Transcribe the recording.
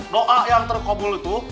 doa yang terkabul itu